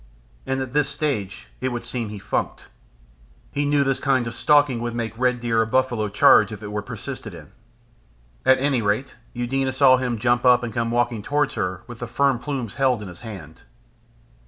And at this stage it would seem he funked. He knew this kind of stalking would make red deer or buffalo charge, if it were persisted in. At any rate Eudena saw him jump up and come walking towards her with the fern plumes held in his hand.